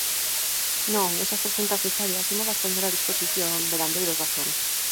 Non, esas trescentas hectáreas ímolas poñer á disposición de gandeiros da zona.